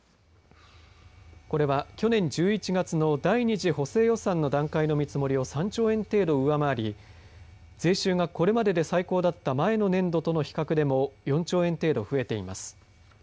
これは去年１１月の第２次補正予算の段階の見積もりを３兆円程度、上回り税収がこれまでで最高だった前の年度との比較でも４兆円程度、増えています。